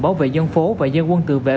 bảo vệ dân phố và dân quân tự vệ